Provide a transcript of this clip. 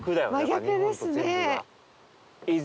真逆ですね。